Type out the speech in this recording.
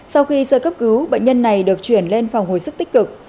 sau khi sơ cấp cứu bệnh nhân này được chuyển lên phòng hồi sức tích cực